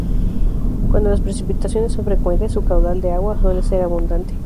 Cuando las precipitaciones son frecuentes, su caudal de agua suele ser abundante.